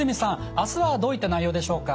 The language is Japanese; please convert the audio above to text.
明日はどういった内容でしょうか？